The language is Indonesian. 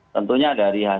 tentunya dari hadapan